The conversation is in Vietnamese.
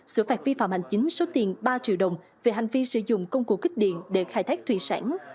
sửa phạt vi phạm hành chính số tiền ba triệu đồng về hành vi sử dụng công cụ kích điện để khai thác thủy sản